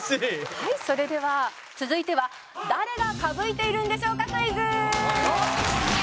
はいそれでは続いては「誰が歌舞いているんでしょうかクイズ」！